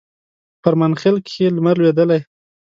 فرمانخیل کښي لمر لوېدلی